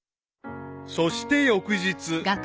［そして翌日］